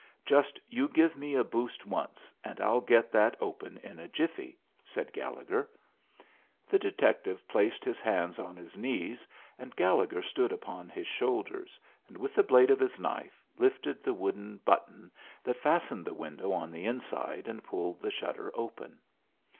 "Just you give me a boost once, and I'll get that open in a jiffy," said Gallegher. The detective placed his hands on his knees, and Gallegher stood upon his shoulders, and with the blade of his knife lifted the wooden button that fastened the window on the inside, and pulled the shutter open.